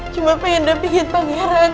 cuma pengen dapihin pangeran